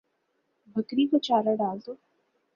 بکری کو چارہ ڈال دو